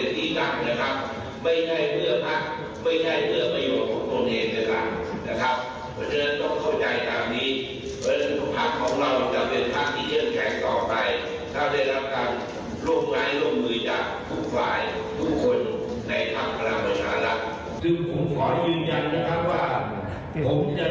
แล้วกันลงงายลงมือจาก